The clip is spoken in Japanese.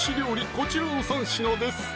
こちらの３品です